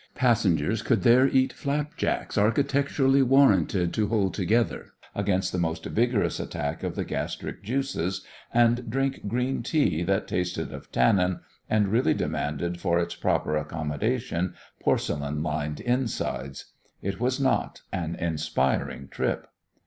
Passengers could there eat flap jacks architecturally warranted to hold together against the most vigorous attack of the gastric juices, and drink green tea that tasted of tannin and really demanded for its proper accommodation porcelain lined insides. It was not an inspiring trip.